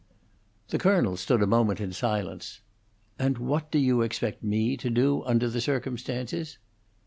The colonel stood a moment in silence. "And what do you expect me to do under the circumstances?"